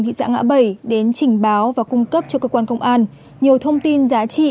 thị xã ngã bảy đến trình báo và cung cấp cho cơ quan công an nhiều thông tin giá trị